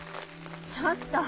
ちょっと！